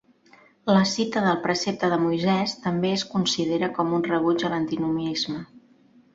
La cita del precepte de Moisès també es considera com un rebuig a l'antinomisme.